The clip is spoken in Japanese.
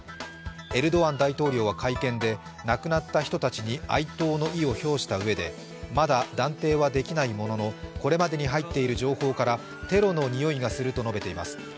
エルドアン大統領は会見で亡くなった人たちに哀悼の意を表したうえでまだ断定はできないものでの、これまでに入っている情報からテロのにおいがすると述べています。